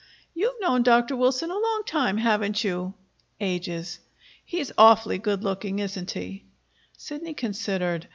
"You've known Dr. Wilson a long time, haven't you?" "Ages." "He's awfully good looking, isn't he?" Sidney considered.